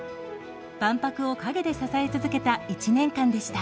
万博を陰で支え続けた１年間でした。